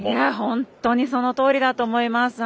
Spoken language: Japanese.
本当にそのとおりだと思います。